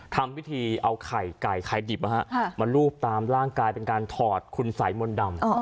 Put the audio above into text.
ทำพิธีเอาไข่ไก่ไข่ดิบมารูปตามร่างกายเป็นการถอดคุณสายมนต์ดำ